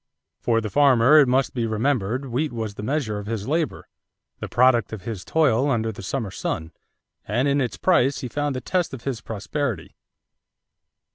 For the farmer, it must be remembered, wheat was the measure of his labor, the product of his toil under the summer sun; and in its price he found the test of his prosperity.